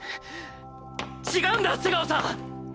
違うんだ瀬川さん！